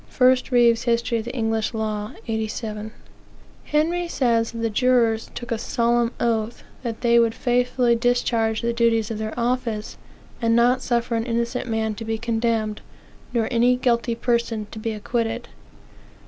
1 Reeve's History of the English Law, 87. Henry says that the jurors "took a solemn oath, that they would faithfully discharge the duties of their office, and not suffer an innocent man to be condemned, nor any guilty person to be acquitted."